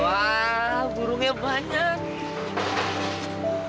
wah burungnya banyak